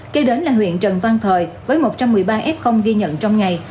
kế đến là huyện trần văn thời với một trăm một mươi ba f ghi nhận trong ngày